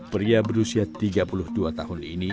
pria berusia tiga puluh dua tahun ini